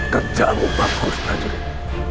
terjauh bagus majulet